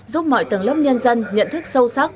giúp mọi tầng lớp nhân dân nhận thức sâu sắc